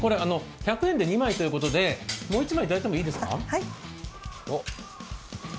１００円で２枚ということで、もう１枚いただいてもいいですか。